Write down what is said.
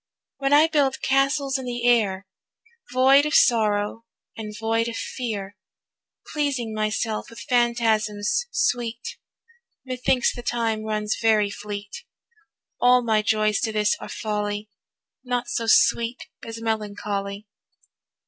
When I build castles in the air, Void of sorrow and void of fear, Pleasing myself with phantasms sweet, Methinks the time runs very fleet. All my joys to this are folly, Naught so sweet as melancholy.